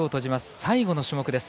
最後の種目です。